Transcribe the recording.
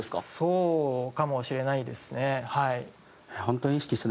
そうかもしれないですねはい。